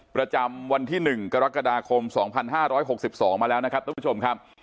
ประจำวันที่๑กรกฎาคม๒๕๖๒มาแล้วนะครับทุกผู้ชมครับ